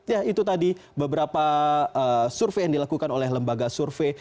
ya itu tadi beberapa survei yang dilakukan oleh lembaga survei